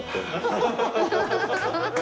アハハハハ。